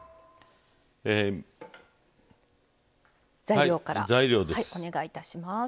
材料からお願いいたします。